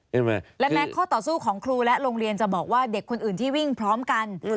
และแม้ข้อต่อสู้ของครูและโรงเรียนจะบอกว่าเด็กคนอื่นที่วิ่งพร้อมกัน